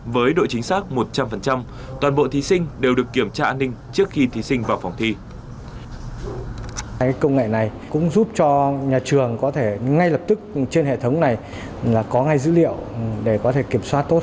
với độ chính xác một trăm linh toàn bộ thí sinh đều được kiểm tra an ninh trước khi thí sinh vào phòng thi